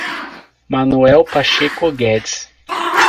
Manoel Pacheco Guedes